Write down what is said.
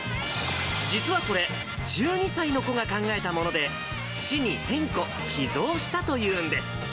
実はこれ、１２歳の子が考えたもので、市に１０００個寄贈したというんです。